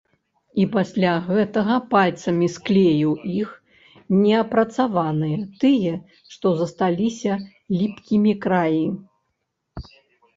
І пасля гэтага пальцамі склеіў іх неапрацаваныя, тыя, што засталіся ліпкімі краі.